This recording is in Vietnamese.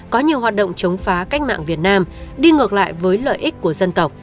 có nhiều hoạt động chống phá cách mạng việt nam đi ngược lại với lợi ích của dân tộc